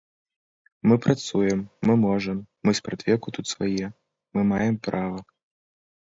Мы працуем, мы можам, мы спрадвеку тут свае, мы маем права.